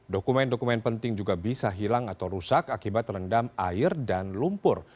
dokumen dokumen penting juga bisa hilang atau rusak akibat terendam air dan lumpur